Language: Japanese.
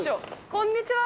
こんにちは。